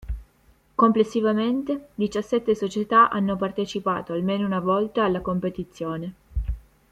Complessivamente, diciassette società hanno partecipato almeno una volta alla competizione.